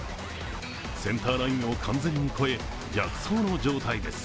センターラインを完全に越え、逆走の状態です。